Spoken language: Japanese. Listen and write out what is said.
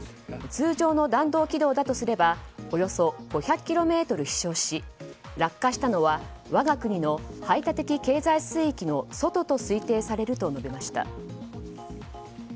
通常の弾道軌道だとすればおよそ５００ｋｍ飛翔し落下したのは我が国の排他的経済水域の外と推定されると述べました。